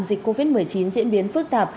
dịch covid một mươi chín diễn biến phức tạp